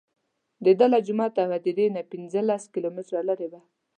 دده له جومات او هدیرې نه پنځه لس کیلومتره لرې وه.